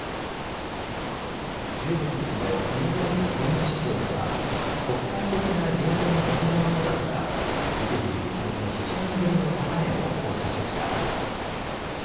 １５日のニューヨーク原油市場では国際的な原油の先物価格が一時、およそ７年ぶりの高値を更新しました。